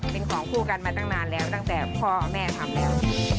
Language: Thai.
เป็นของคู่กันมาตั้งนานแล้วตั้งแต่พ่อแม่ทำแล้ว